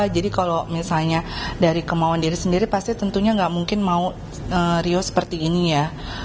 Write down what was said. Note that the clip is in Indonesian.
jadi kalau misalnya dari kemauan diri sendiri pasti tentunya nggak mungkin mau rio seperti ini ya